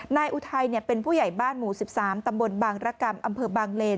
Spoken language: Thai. อุทัยเป็นผู้ใหญ่บ้านหมู่๑๓ตำบลบางรกรรมอำเภอบางเลน